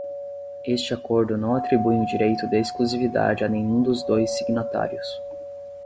Este acordo não atribui um direito de exclusividade a nenhum dos dois signatários.